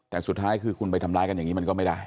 แต่สุดท้ายคือคุณไปทำร้ายกันอย่างนี้มันก็ไม่ได้